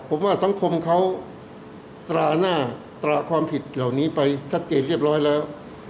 ผมว่าสังคมเขาตราหน้าตราความผิดเหล่านี้ไปชัดเจนเรียบร้อยแล้ว